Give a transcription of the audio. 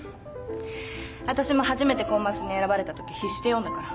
わたしも初めてコンマスに選ばれたとき必死で読んだから。